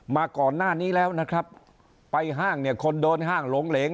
มาก่อนหน้านี้แล้วนะครับไปห้างเนี่ยคนเดินห้างหลงเหลง